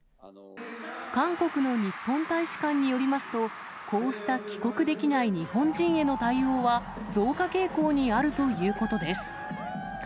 韓国の日本大使館によりますと、こうした帰国できない日本人への対応は、増加傾向にあるということです。